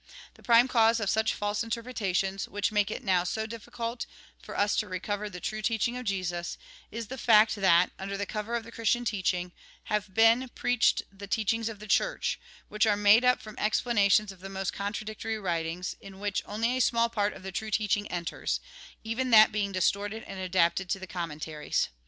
The prime cause of such false interpretations, which make it now so difficult for us to recover the true teaching of Jesus, is the fact that, under the cover of the Christian teaching, have been preached the teachings of the Church, which are made up from explanations of most contradictory writings, in AUTHOR'S PREFACE II which only a small part of the true teaching enters ; even that being distorted and adapted to the commentaries.